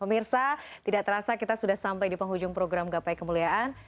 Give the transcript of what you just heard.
pemirsa tidak terasa kita sudah sampai di penghujung program gapai kemuliaan